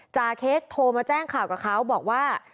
เค้กโทรมาแจ้งข่าวกับเขาบอกว่า